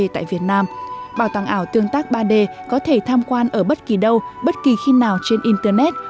tại việt nam bảo tàng ảo tương tác ba d có thể tham quan ở bất kỳ đâu bất kỳ khi nào trên internet